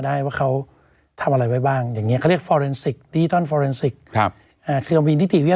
ด้วยครั้งที่๓